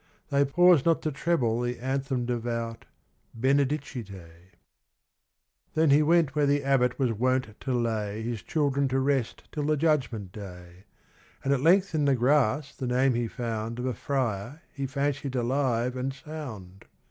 They paused not to treble the anthem devout, Benedicite. XIX Then he went where the Abbot was wont to lay His children to rest till the Judgment Day, And at length in the grass the name he found Of a friar he fancied alive and sound.